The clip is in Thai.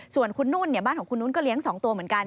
ส่วนคุณนุ่นบ้านของคุณนุ่นก็เลี้ยง๒ตัวเหมือนกัน